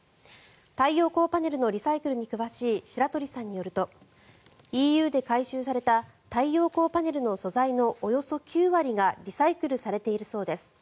太陽光パネルのリサイクルに詳しい白鳥さんによるとＥＵで回収された太陽光パネルの素材のおよそ９割がリサイクルされているそうです。